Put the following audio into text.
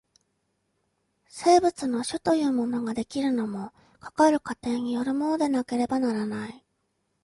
生物の種というものが出来るのも、かかる過程によるものでなければならない。